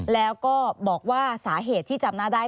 แล้วก็บอกว่าสาเหตุที่จำหน้าได้